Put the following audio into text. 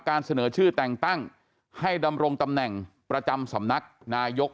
เสนอชื่อแต่งตั้งให้ดำรงตำแหน่งประจำสำนักนายก